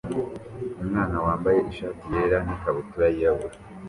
Umwana wambaye ishati yera n ikabutura yirabur